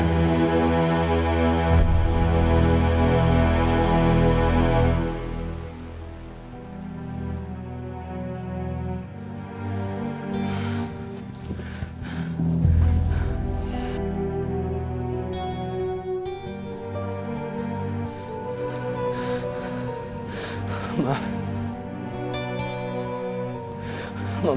inilah makam mama